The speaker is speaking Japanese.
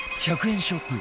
１００円ショップ